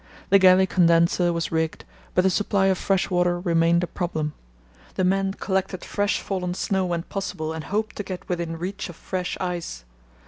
The galley condenser was rigged, but the supply of fresh water remained a problem. The men collected fresh fallen snow when possible and hoped to get within reach of fresh ice.